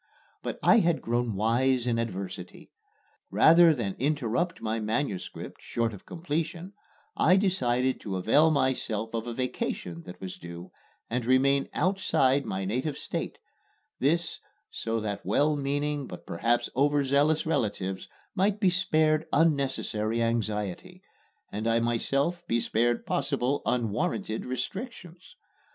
But I had grown wise in adversity. Rather than interrupt my manuscript short of completion I decided to avail myself of a vacation that was due, and remain outside my native State this, so that well meaning but perhaps overzealous relatives might be spared unnecessary anxiety, and I myself be spared possible unwarranted restrictions.